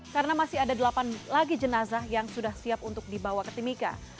karena masih ada delapan lagi jenazah yang sudah siap untuk dibawa ke timika